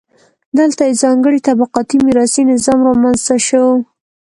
دلته یو ځانګړی طبقاتي میراثي نظام رامنځته شو.